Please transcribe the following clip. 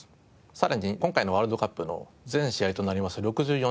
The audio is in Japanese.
さらに今回のワールドカップの全試合となります６４試合